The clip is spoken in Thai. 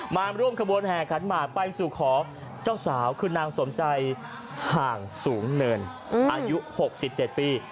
มาร่วมขบวนแห่ขันหมากไปสู่ขอเจ้าสาวคือนางสมใจห่างสูงเนินอายุ๖๗ปี